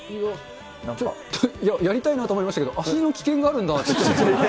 いや、やりたいなと思いましたけど、足の危険があるんだって。